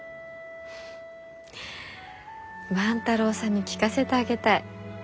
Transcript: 万太郎さんに聞かせてあげたい。